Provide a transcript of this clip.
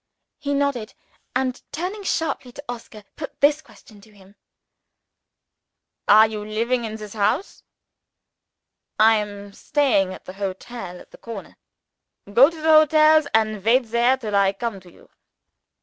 He nodded, and, turning sharply to Oscar, put this question to him: "Are you living in the house?" "I am staying at the hotel at the corner." "Go to the hotel, and wait there till I come to you."